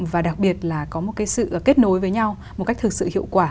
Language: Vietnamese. và đặc biệt là có một cái sự kết nối với nhau một cách thực sự hiệu quả